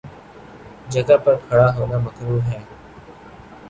جگہ پر کھڑا ہونا مکروہ ہے۔